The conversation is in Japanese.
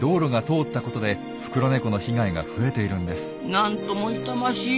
なんとも痛ましい。